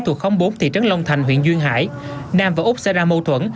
thuộc khóng bốn thị trấn long thành huyện duyên hải nam và úc sẽ ra mâu thuẫn